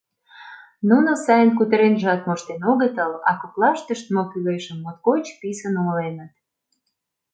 Нуно сайын кутыренжат моштен огытыл, а коклаштышт мо кӱлешым моткоч писын умыленыт.